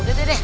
udah deh deh